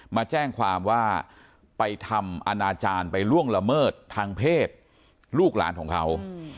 มาแจ้งความว่าไปทำอนาจารย์ไปล่วงละเมิดทางเพศลูกหลานของเขา